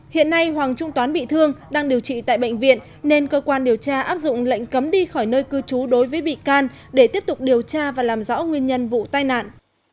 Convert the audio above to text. hiện nay hoàng trung toán bị thương đang điều trị tại bệnh viện nên cơ quan điều tra áp dụng lệnh cấm đi khỏi nơi cư trú đối với bị can để tiếp tục điều tra và làm rõ nguyên nhân vụ tai nạn